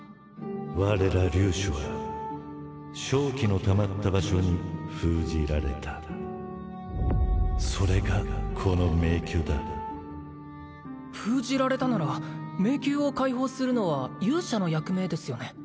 我ら龍種は瘴気のたまった場所に封じられたそれがこの迷宮だ封じられたなら迷宮を開放するのは勇者の役目ですよね？